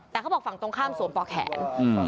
แต่เขาบอกฝั่งตรงข้ามสวมป่อแขน